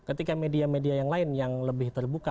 ketika media media yang lain yang lebih terbuka